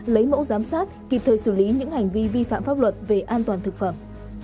lấy mẫu giám sát kịp thời xử lý những hành vi vi phạm pháp luật về an toàn thực phẩm